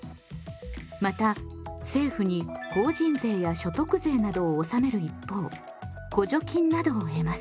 また政府に法人税や所得税などを納める一方補助金などを得ます。